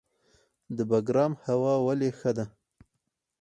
د بګرام هوا ولې ښه ده؟